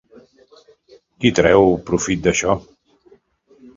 Qui treu profit d'això?